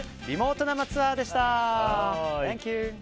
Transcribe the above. リモート生ツアーでした。